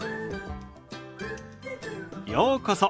ようこそ。